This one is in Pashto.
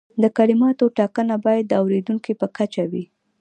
د کلماتو ټاکنه باید د اوریدونکي په کچه وي.